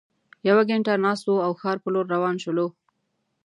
یوه ګینټه ناست وو او ښار په لور روان شولو.